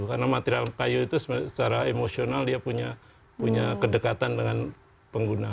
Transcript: karena material kayu itu secara emosional dia punya kedekatan dengan pengguna